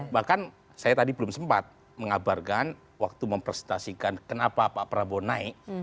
bahkan saya tadi belum sempat mengabarkan waktu mempresentasikan kenapa pak prabowo naik